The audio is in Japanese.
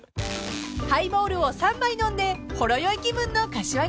［ハイボールを３杯飲んでほろ酔い気分の柏木さん］